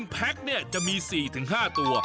๑แพ็คเนี่ยจะมี๔๕ตัว